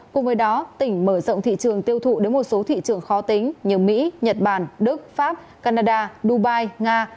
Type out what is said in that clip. cùng với đó tỉnh mở rộng thị trường tiêu thụ đến một số thị trường khó tính như mỹ nhật bản đức pháp canada dubai nga